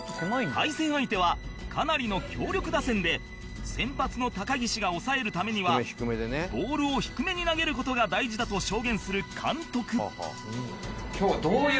対戦相手はかなりの強力打線で先発の高岸が抑えるためにはボールを低めに投げる事が大事だと証言する監督